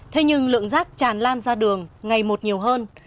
thế nhưng lượng rác tràn lan ra đường ngày một nhiều hơn